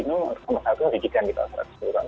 nomor satu pendidikan di tahun dua ribu sepuluh